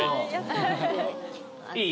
いい？